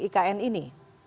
pembahasan eur iksn ini